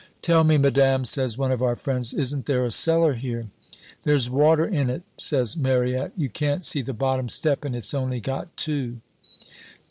"'Tell me, madame,' says one of our friends, 'isn't there a cellar here?' "'There's water in it,' says Mariette; 'you can't see the bottom step and it's only got two.'